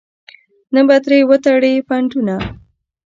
نه به ترې وتړې پنډونه.